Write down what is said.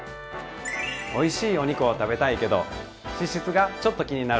おいしいお肉を食べたいけど脂質がちょっと気になる。